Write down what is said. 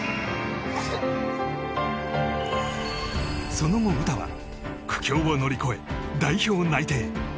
その後、詩は苦境を乗り越え代表内定。